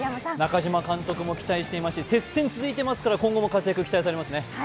中島監督も期待していまして、接戦、続いていますから今後も活躍が期待されますね。